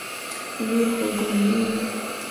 نور خوبونه نه وينم